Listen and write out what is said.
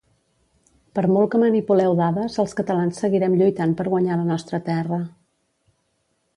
Per molt que manipuleu dades els catalans seguirem lluitant per guanyar la nostra terra